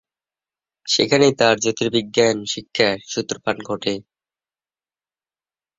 সেখানেই তার জ্যোতির্বিজ্ঞান শিক্ষার সূত্রপাত ঘটে।